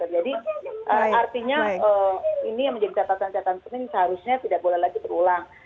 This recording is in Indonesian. jadi artinya ini yang menjadi catatan penting seharusnya tidak boleh lagi berulang